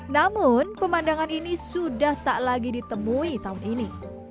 namun pemandangan ini sudah tak lagi ditemui tahun ini